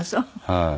はい。